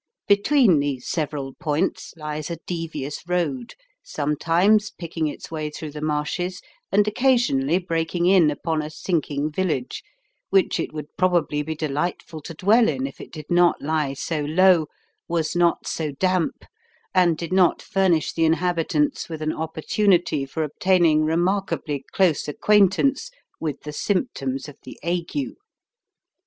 Between these several points lies a devious road, sometimes picking its way through the marshes, and occasionally breaking in upon a sinking village, which it would probably be delightful to dwell in if it did not lie so low, was not so damp, and did not furnish the inhabitants with an opportunity for obtaining remarkably close acquaintance with the symptoms of the ague.